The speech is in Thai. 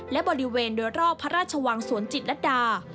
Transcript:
และบริเวณโดยรอบพระราชวังสวนจิตรดา